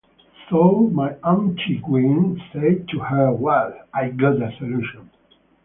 So my auntie Gwen said to her, 'Well, I've got a solution.